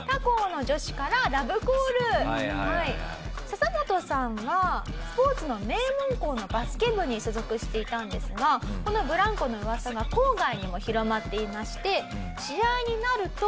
ササモトさんはスポーツの名門校のバスケ部に所属していたんですがこのブランコのうわさが校外にも広まっていまして試合になると。